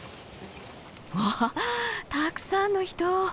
わあたくさんの人！